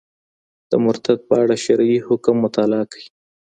د مرتد په اړه شرعي حکمونه مطالعه کړئ.